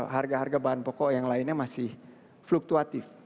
harga harga bahan pokok yang lainnya masih fluktuatif